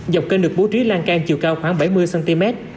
dọc kênh được bố trí lan can chiều cao khoảng bảy mươi cm